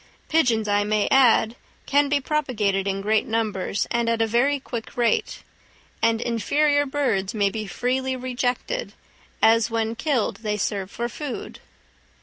Pigeons, I may add, can be propagated in great numbers and at a very quick rate, and inferior birds may be freely rejected, as when killed they serve for food.